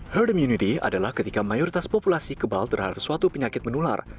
herd immunity adalah ketika mayoritas populasi kebal terhadap suatu penyakit menular